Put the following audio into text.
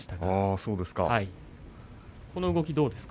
そうですか。